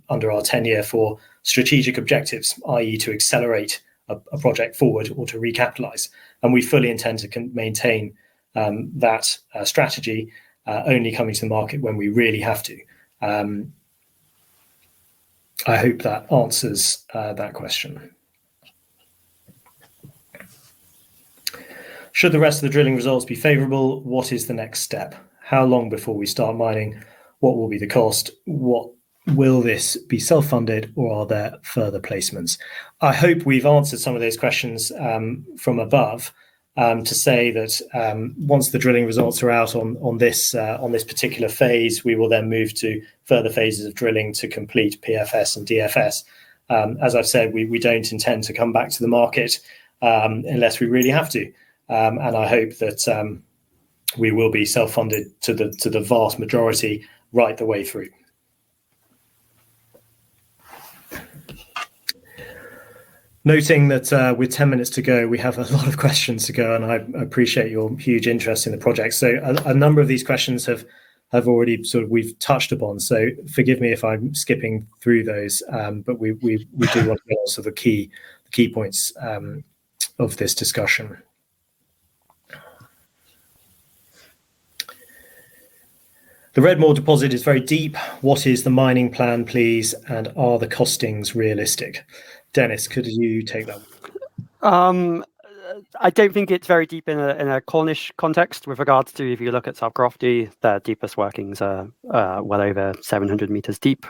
under our tenure for strategic objectives, i.e., to accelerate a project forward or to recapitalize, and we fully intend to maintain that strategy only coming to the market when we really have to. I hope that answers that question. Should the rest of the drilling results be favorable, what is the next step? How long before we start mining? What will be the cost? What will this be self-funded, or are there further placements? I hope we've answered some of those questions from above to say that once the drilling results are out on this particular phase, we will then move to further phases of drilling to complete PFS and DFS. As I've said, we don't intend to come back to the market unless we really have to. I hope that we will be self-funded to the vast majority right the way through. Noting that, with 10 minutes to go, we have a lot of questions to go, and I appreciate your huge interest in the project. A number of these questions have already sort of we've touched upon, so forgive me if I'm skipping through those. We do want to get all sort of key points of this discussion. The Redmoor deposit is very deep. What is the mining plan, please, and are the costings realistic? Dennis, could you take that? I don't think it's very deep in a Cornish context with regards to if you look at South Crofty, their deepest workings are well over 700 meters deep.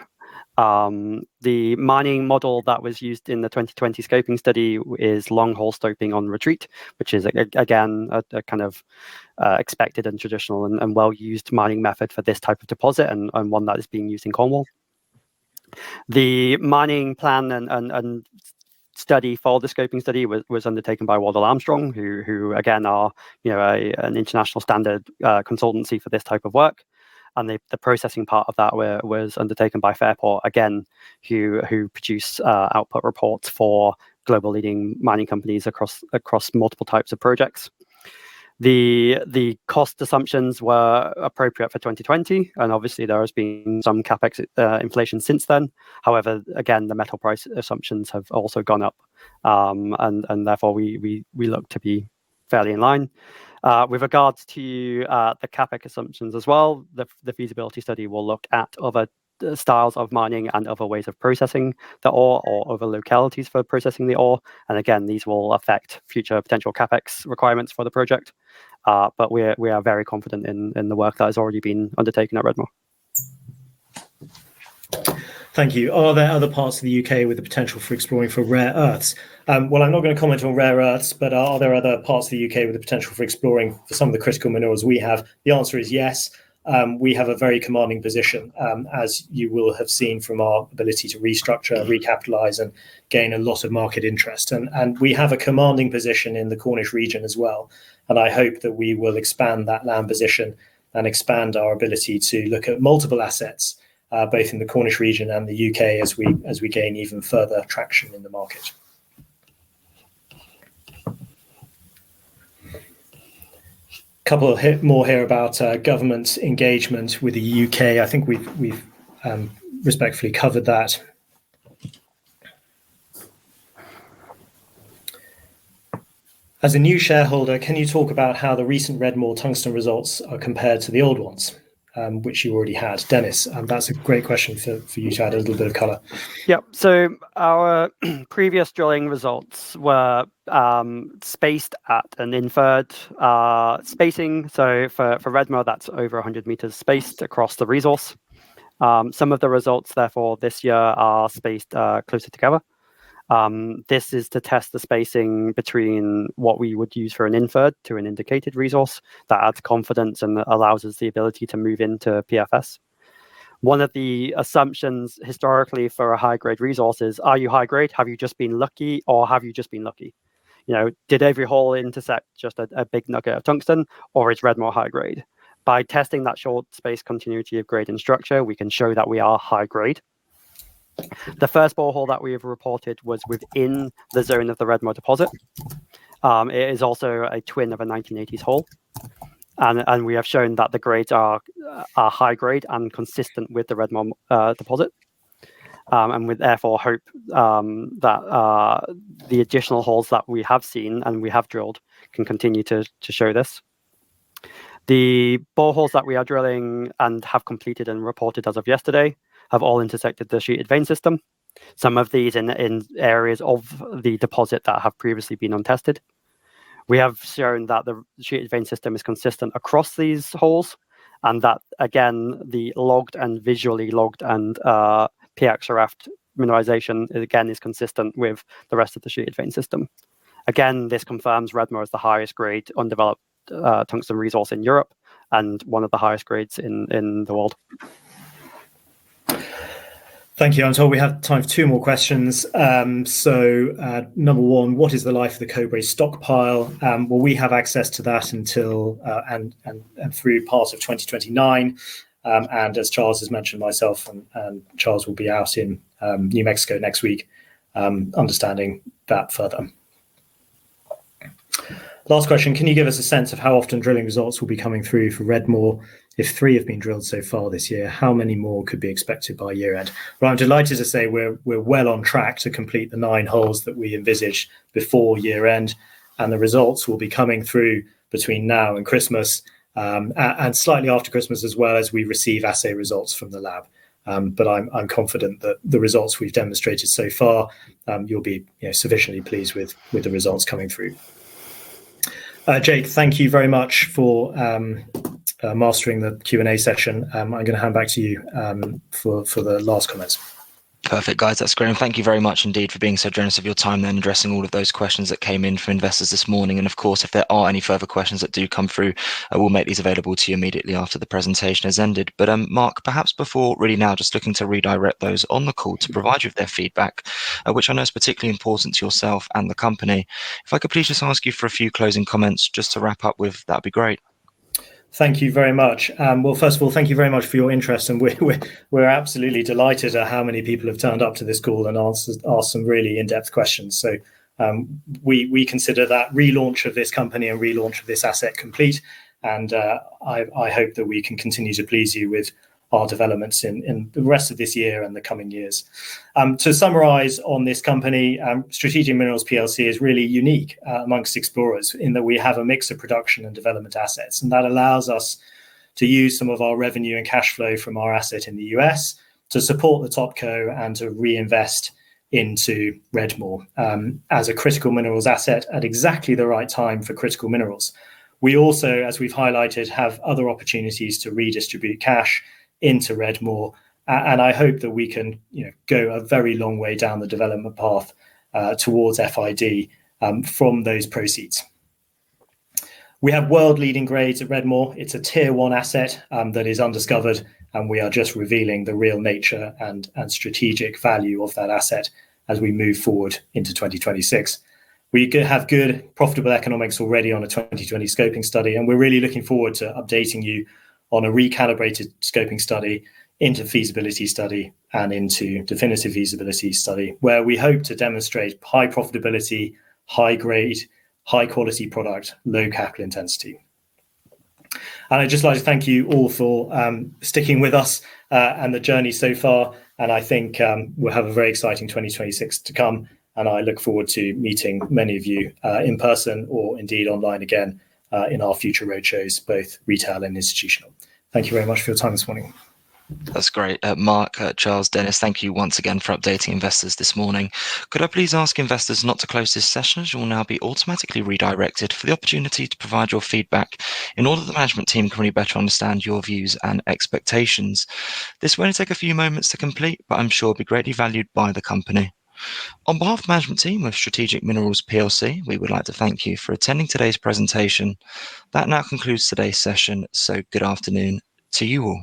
The mining model that was used in the 2020 scoping study is long-hole stoping on retreat, which is again a kind of expected and traditional and well-used mining method for this type of deposit and one that is being used in Cornwall. The mining plan and study for the scoping study was undertaken by Wardell Armstrong, who again are, you know, an international standard consultancy for this type of work. The processing part of that was undertaken by Fairport, again who produce output reports for global leading mining companies across multiple types of projects. The cost assumptions were appropriate for 2020, and obviously there has been some CapEx inflation since then. However, again, the metal price assumptions have also gone up, and therefore we look to be fairly in line. With regards to the CapEx assumptions as well, the feasibility study will look at other styles of mining and other ways of processing the ore or other localities for processing the ore. Again, these will affect future potential CapEx requirements for the project. We are very confident in the work that has already been undertaken at Redmoor. Thank you. Are there other parts of the U.K. with the potential for exploring for rare earths? Well, I'm not gonna comment on rare earths, but are there other parts of the U.K. with the potential for exploring for some of the critical minerals we have? The answer is yes. We have a very commanding position, as you will have seen from our ability to restructure, recapitalize, and gain a lot of market interest. We have a commanding position in the Cornish region as well, and I hope that we will expand that land position and expand our ability to look at multiple assets, both in the Cornish region and the U.K. as we gain even further traction in the market. Couple here, more here about government engagement with the U.K. I think we've respectfully covered that. As a new shareholder, can you talk about how the recent Redmoor tungsten results are compared to the old ones, which you already had? Dennis, that's a great question for you to add a little bit of color. Yep. Our previous drilling results were spaced at an inferred spacing. For Redmoor, that's over 100 meters spaced across the resource. Some of the results therefore this year are spaced closer together. This is to test the spacing between what we would use for an inferred to an indicated resource that adds confidence and allows us the ability to move into PFS. One of the assumptions historically for a high-grade resource is, are you high grade? Have you just been lucky? You know, did every hole intersect just a big nugget of tungsten, or is Redmoor high grade? By testing that short space continuity of grade and structure, we can show that we are high grade. The first borehole that we have reported was within the zone of the Redmoor deposit. It is also a twin of a 1980s hole. We have shown that the grades are high grade and consistent with the Redmoor deposit. We therefore hope that the additional holes that we have seen and we have drilled can continue to show this. The boreholes that we are drilling and have completed and reported as of yesterday have all intersected the sheeted vein system, some of these in areas of the deposit that have previously been untested. We have shown that the sheeted vein system is consistent across these holes and that again, the logged and visually logged and pXRF mineralization again is consistent with the rest of the sheeted vein system. Again, this confirms Redmoor as the highest grade undeveloped tungsten resource in Europe and one of the highest grades in the world. Thank you. I'm told we have time for 2 more questions. Number one, what is the life of the Cobre stockpile? Well, we have access to that until and through part of 2029. And as Charles has mentioned, myself and Charles will be out in New Mexico next week, understanding that further. Last question. Can you give us a sense of how often drilling results will be coming through for Redmoor? If 3 have been drilled so far this year, how many more could be expected by year-end? Well, I'm delighted to say we're well on track to complete the 9 holes that we envisaged before year-end, and the results will be coming through between now and Christmas, and slightly after Christmas as well, as we receive assay results from the lab. I'm confident that the results we've demonstrated so far, you'll be, you know, sufficiently pleased with the results coming through. Jake, thank you very much for mastering the Q&A session. I'm gonna hand back to you for the last comments. Perfect. Guys, that's great. Thank you very much indeed for being so generous of your time then addressing all of those questions that came in from investors this morning. Of course, if there are any further questions that do come through, I will make these available to you immediately after the presentation has ended. Mark, perhaps before really now just looking to redirect those on the call to provide you with their feedback, which I know is particularly important to yourself and the company, if I could please just ask you for a few closing comments just to wrap up with, that'd be great. Thank you very much. Well, first of all, thank you very much for your interest, and we're absolutely delighted at how many people have turned up to this call and asked some really in-depth questions. We consider that relaunch of this company and relaunch of this asset complete, and I hope that we can continue to please you with our developments in the rest of this year and the coming years. To summarize on this company, Strategic Minerals Plc is really unique among explorers in that we have a mix of production and development assets, and that allows us to use some of our revenue and cash flow from our asset in the U.S. to support the top co and to reinvest into Redmoor as a critical minerals asset at exactly the right time for critical minerals. We also, as we've highlighted, have other opportunities to redistribute cash into Redmoor, and I hope that we can, you know, go a very long way down the development path towards FID from those proceeds. We have world-leading grades at Redmoor. It's a tier one asset that is undiscovered, and we are just revealing the real nature and strategic value of that asset as we move forward into 2026. We have good profitable economics already on a 2020 scoping study, and we're really looking forward to updating you on a recalibrated scoping study into feasibility study and into definitive feasibility study, where we hope to demonstrate high profitability, high grade, high quality product, low capital intensity. I'd just like to thank you all for sticking with us, and the journey so far, and I think we'll have a very exciting 2026 to come, and I look forward to meeting many of you in person or indeed online again in our future roadshows, both retail and institutional. Thank you very much for your time this morning. That's great. Mark, Charles, Dennis, thank you once again for updating investors this morning. Could I please ask investors not to close this session, as you will now be automatically redirected for the opportunity to provide your feedback in order that the management team can really better understand your views and expectations. This will only take a few moments to complete, but I'm sure it'll be greatly valued by the company. On behalf of the management team of Strategic Minerals Plc, we would like to thank you for attending today's presentation. That now concludes today's session, so good afternoon to you all.